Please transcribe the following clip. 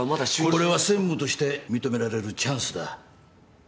これは専務として認められるチャンスだ。